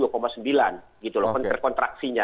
gitu loh kontraksinya